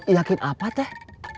yakin apa teh